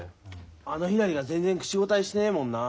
あのひらりが全然口答えしてねえもんな。